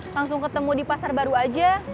langsung ketemu di pasar baru aja